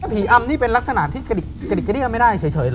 ผีอำนี้เป็นลักษณะที่กระดิกไม่ได้เฉยเหรอ